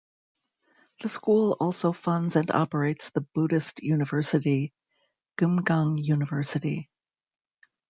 The school also funds and operates the Buddhist university, Geumgang University.